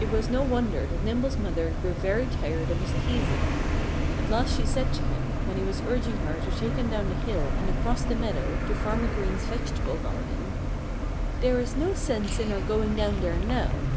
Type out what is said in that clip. It was no wonder that Nimble's mother grew very tired of his teasing. At last she said to him, when he was urging her to take him down the hill and across the meadow to Farmer Green's vegetable garden, "There's no sense in our going down there now.